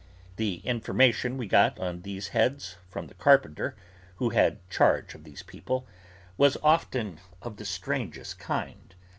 The information we got on these heads from the carpenter, who had charge of these people, was often of the strangest kind.